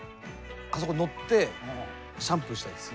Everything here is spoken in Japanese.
あそこに乗ってシャンプーしたいです。